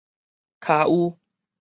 跤趺